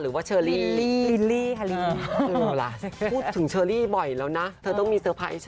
หรือว่าเชอรี่